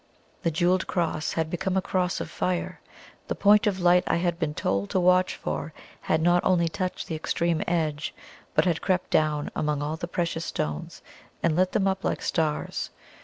The jewelled cross had become a cross of fire. The point of light I had been, told to watch for had not only touched the extreme edge, but had crept down among all the precious stones and lit them up like stars.